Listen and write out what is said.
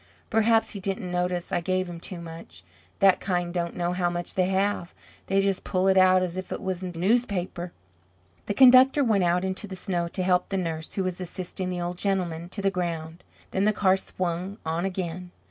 Perhaps he didn't notice I gave him too much. That kind don't know how much they have. They just pull it out as if it was newspaper." The conductor went out into the snow to help the nurse, who was assisting the old gentleman to the ground. Then the car swung on again.